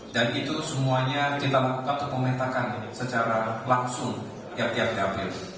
dan itu semuanya kita lakukan atau memintakan secara langsung tiap tiap dape